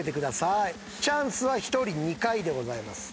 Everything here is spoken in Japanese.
チャンスは１人２回でございます。